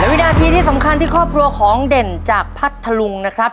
วินาทีที่สำคัญที่ครอบครัวของเด่นจากพัทธลุงนะครับ